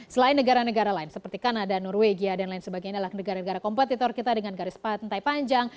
selain negara negara lain seperti kanada norwegia dan lain sebagainya adalah negara negara kompetitor kita dengan garis pantai panjang